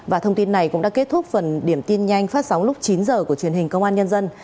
và thông tin này cũng đã kết thúc phần điểm tin nhanh phát sóng lúc chín h của truyền hình công an nhân dân